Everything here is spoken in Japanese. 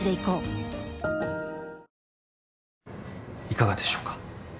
いかがでしょうか？